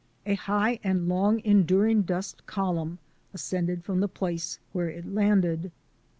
A high and long enduring dust column ascended from the place where it landed.